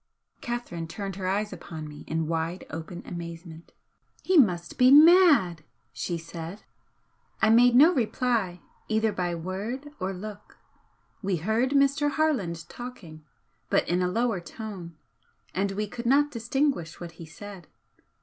Catherine turned her eyes upon me in wide open amazement. "He must be mad!" she said. I made no reply either by word or look. We heard Mr. Harland talking, but in a lower tone, and we could not distinguish what he said.